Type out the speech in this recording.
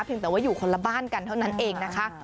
แต่ว่าอยู่คนละบ้านกันเท่านั้นเองนะคะ